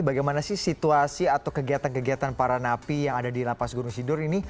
bagaimana sih situasi atau kegiatan kegiatan para napi yang ada di lapas gunung sindur ini